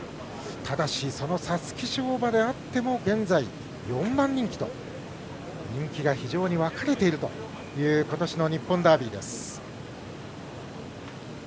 ただし、その皐月賞馬であっても現在４番人気と人気が非常に分かれているということしの日本ダービーです。